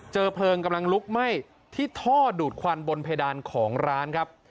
เพลิงกำลังลุกไหม้ที่ท่อดูดควันบนเพดานของร้านครับ